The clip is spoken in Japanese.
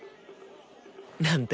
なんて。